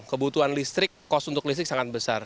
kebutuhan listrik kos untuk listrik sangat besar